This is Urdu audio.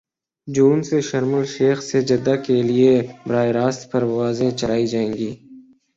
جون سے شرم الشیخ سے جدہ کے لیے براہ راست پروازیں چلائی جائیں گی